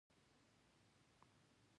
ملت په صحنه کې دی ملت حضور لري.